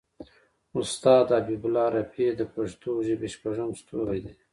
استاد حبیب الله رفیع د پښتو ژبې شپږم ستوری دی.